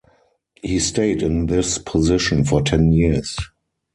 He stayed in this position for ten years.